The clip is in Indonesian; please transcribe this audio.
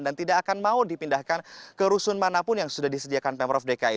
dan tidak akan mau dipindahkan ke rusun manapun yang sudah disediakan pemprov dki